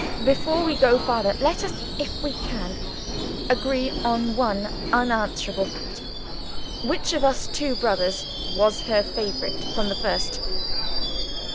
Before we go farther, let us if we can agree on one unanswerable fact. Which of us two brothers was her favorite, from the first?"